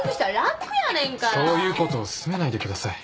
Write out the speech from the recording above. そういうことを勧めないでください。